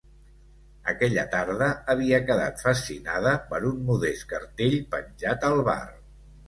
Aquella tarda havia quedat fascinada per un modest cartell penjat al bar.